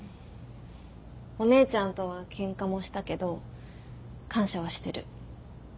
お姉ちゃんとはケンカもしたけど感謝はしてる。